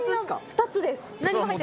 ２つです。